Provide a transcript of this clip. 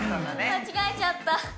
間違えちゃった。